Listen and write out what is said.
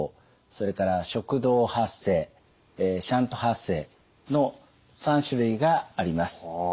それから食道発声シャント発声の３種類があります。